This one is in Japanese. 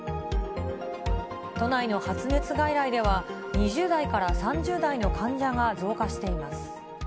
都内の発熱外来では、２０代から３０代の患者が増加しています。